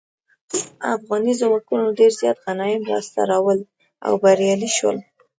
افغاني ځواکونو ډیر زیات غنایم لاسته راوړل او بریالي شول.